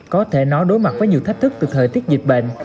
có thể nói đối mặt với nhiều thách thức từ thời tiết dịch bệnh